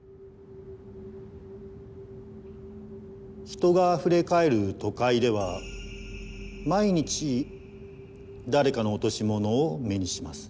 人があふれ返る都会では毎日誰かの落とし物を目にします。